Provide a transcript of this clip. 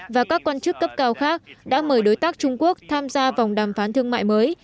và các quan chức cấp cao khác đã mời đối tác trung quốc tham gia vòng đàm phán thương mại mới